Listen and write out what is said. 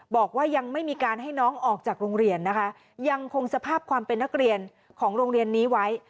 บอกว่ายังไม่มีการให้น้องออกจากโรงเรียนนะคะยังคงสภาพความเป็นนักเรียนของโรงเรียนนี้ไว้